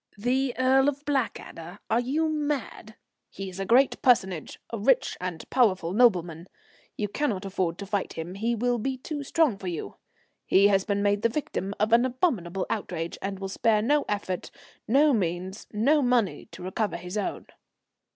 "The Earl of Blackadder? Are you mad? He is a great personage, a rich and powerful nobleman. You cannot afford to fight him; he will be too strong for you. He has been made the victim of an abominable outrage, and will spare no effort, no means, no money to recover his own."